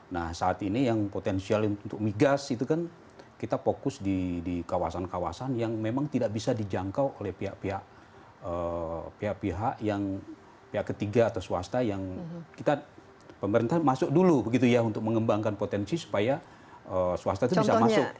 nah saat ini yang potensial untuk migas itu kan kita fokus di kawasan kawasan yang memang tidak bisa dijangkau oleh pihak pihak yang pihak ketiga atau swasta yang kita pemerintah masuk dulu untuk mengembangkan potensi supaya swasta itu bisa masuk